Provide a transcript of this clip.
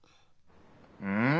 うん？